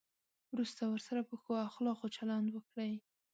وروسته ورسره په ښو اخلاقو چلند وکړئ.